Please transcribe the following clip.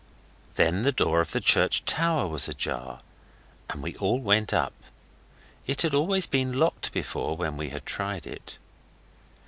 Then the door of the church tower was ajar, and we all went up; it had always been locked before when we had tried it.